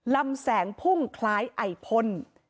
ลำแสงพุ่งคล้ายไอพ่น